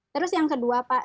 terus yang kedua pak